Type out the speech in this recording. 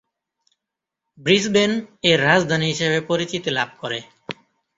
Brisbane এর রাজধানী হিসেবে পরিচিতি লাভ করে।